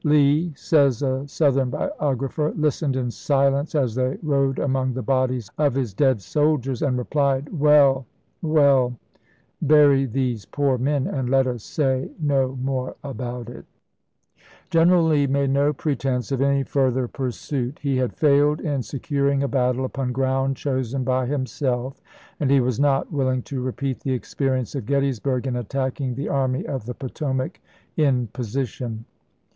" Lee," says a South ern biographer, "listened in silence as they rode among the bodies of his dead soldiers and replied, 'Well, well, bury these poor men, and let us say no more about it.' " GEKERAT, ALEXANDER S. WEBB. THE LINE OF THE EAPLDAN 2 1:1 General Lee made no pretense of any further chap.ix. pursuit. He had failed in securing a battle upon ground chosen by himself and he was not will ing to repeat the experience of Gettysburg in attacking the Army of the Potomac in position.